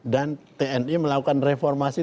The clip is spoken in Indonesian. dan tni melakukan reformasi